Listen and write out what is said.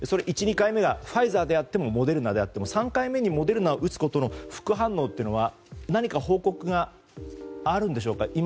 １、２回目がファイザーであってもモデルナであっても３回目にモデルナを打つことの副反応というのは何か情報があるんでしょうか。